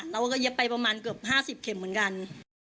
เราก็เย็บไปประมาณเกือบ๕๐เข็มเหมือนกัน